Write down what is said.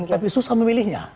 tapi susah memilihnya